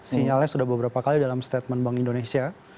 sinyalnya sudah beberapa kali dalam statement bank indonesia